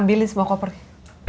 ambilin semua kopernya